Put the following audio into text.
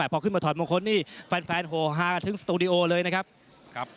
พอขึ้นมาถอดมงคลนี่แฟนโหฮากันถึงสตูดิโอเลยนะครับ